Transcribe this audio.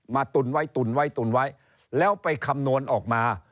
ตุนไว้ตุนไว้ตุนไว้แล้วไปคำนวณออกมา